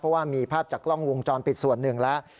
เพราะว่ามีภาพจากกล้องวงจรปิดส่วนหนึ่งแล้ว